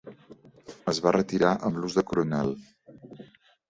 Es va retirar amb l'ús de coronel.